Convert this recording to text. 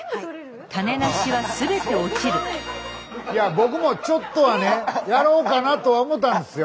僕もちょっとはねやろうかなとは思ったんですよ。